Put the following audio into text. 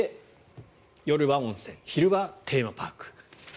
夜は温泉昼はテーマパーク。